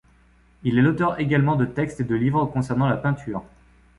Il est l'auteur également de textes et de livres concernant la peinture.